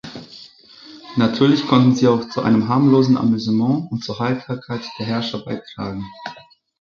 Natürlich konnten sie auch zu einem harmlosen Amüsement und zur Heiterkeit der Herrscher beitragen.